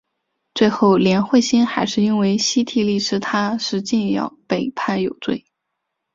最后连惠心还是因为西替利司他是禁药被判有罪。